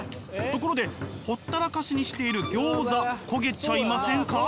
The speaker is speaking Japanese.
ところでほったらかしにしているギョーザ焦げちゃいませんか？